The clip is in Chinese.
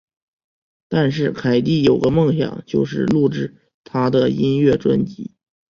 但是凯蒂有个梦想就是录制她的音乐专辑。